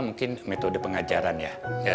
mungkin metode pengajaran ya